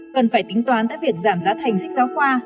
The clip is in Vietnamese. cần phải tính toán tới việc giảm giá thành sách giáo khoa